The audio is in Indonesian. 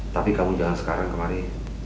tapi kamu jangan sekarang kemarin